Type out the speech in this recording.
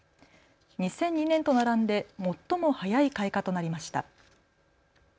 ２００２年と並んで最も早い開花となりました。